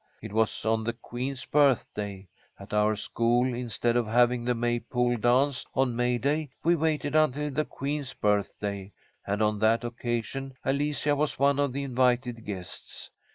It was on the queen's birthday. At our school, instead of having the May pole dance on May day, we waited until the queen's birthday, and on that occasion Alicia was one of the invited guests.